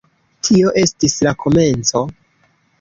Tio estis la komenco.